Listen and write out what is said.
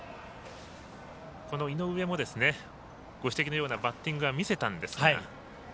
井上もご指摘のようなバッティングは見せたんですが。